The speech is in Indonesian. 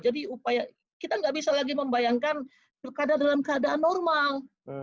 jadi kita tidak bisa lagi membayangkan keadaan dalam keadaan normal